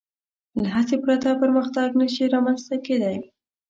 له هڅې پرته پرمختګ نهشي رامنځ ته کېدی.